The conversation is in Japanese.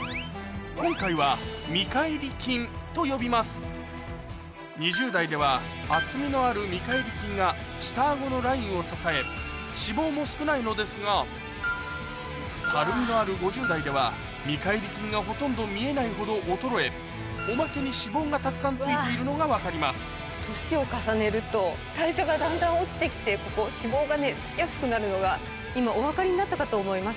今回はと呼びます２０代では厚みのある見かえり筋が下顎のラインを支え脂肪も少ないのですがたるみのある５０代では見かえり筋がほとんど見えないほど衰えおまけに脂肪がたくさんついているのが分かります年を重ねると代謝がだんだん落ちて来てここ脂肪がねつきやすくなるのが今お分かりになったかと思います。